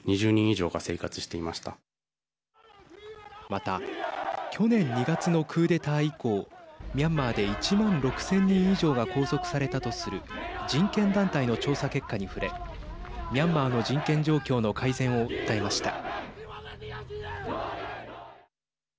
また去年２月のクーデター以降ミャンマーで１万６０００人以上が拘束されたとする人権団体の調査結果に触れミャンマーの人権状況の改善を訴えました。